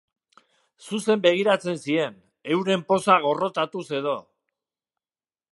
Zuzen begiratzen zien, euren poza gorrotatuz edo.